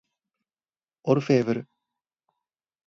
オルフェーヴル